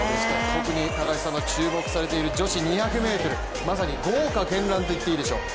特に高橋さんの注目されている女子２００ｍ、まさに豪華絢爛と言っていいでしょう。